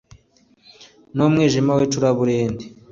n umwijima w icuraburindi